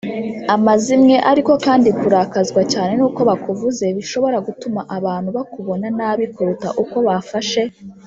amazimwe Ariko kandi kurakazwa cyane n uko bakuvuze bishobora gutuma abantu bakubona nabi kuruta uko bafashe